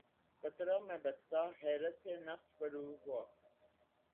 قطرہٴ مے بسکہ حیرت سے نفس پرور ہوا